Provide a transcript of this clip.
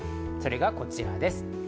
それがこちらです。